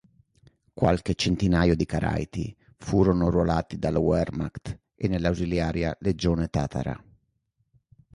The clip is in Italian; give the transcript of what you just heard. Qualche centinaio di caraiti furono arruolati dalla Wehrmacht e nell'ausiliaria Legione tatara.